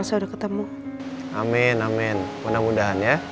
yaudah kamu sekarang istirahat ya